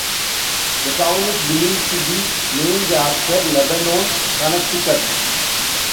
The town is believed to be named after Lebanon, Connecticut.